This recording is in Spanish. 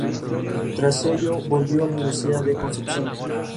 Tras ello volvió a la Universidad de Concepción.